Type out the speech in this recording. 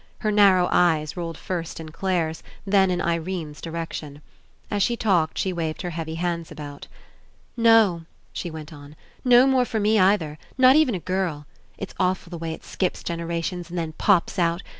Her narrow eyes rolled first in Clare's, then in Irene's direction. As she talked she waved her heavy hands about. "No," she went on, "no more for me either. Not even a girl. It's awful the way it skips generations and then pops out.